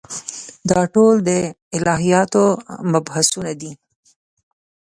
دا ټول د الهیاتو مبحثونه دي.